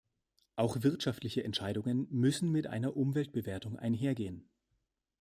Auch wirtschaftliche Entscheidungen müssen mit einer Umweltbewertung einhergehen.